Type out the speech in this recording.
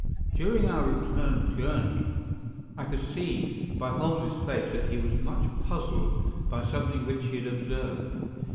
During our return journey, I could see by Holmes's face that he was much puzzled by something which he had observed.